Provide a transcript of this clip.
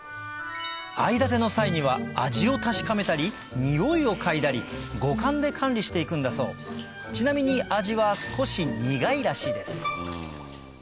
藍建ての際には味を確かめたりにおいを嗅いだり五感で管理して行くんだそうちなみに味は少し苦いらしいです